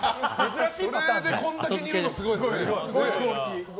それでこれだけ似るのはすごいですね。